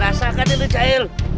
rasakan ini jahil